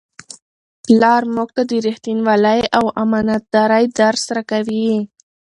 پلار موږ ته د رښتینولۍ او امانتدارۍ درس راکوي.